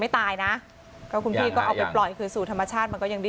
ตายนะก็คุณพี่ก็เอาไปปล่อยคืนสู่ธรรมชาติมันก็ยังดี